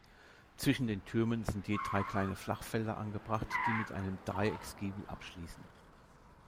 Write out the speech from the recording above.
Zwischen den Türmen sind je drei kleine Flachfelder angebracht, die mit einem Dreiecksgiebel abschließen.